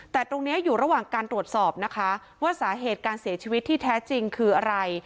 แต่ตรงนี้อยู่ระหว่างการตรวจสอบนะคะว่าสาเหตุการเสียชีวิตที่แท้จริงคืออะไร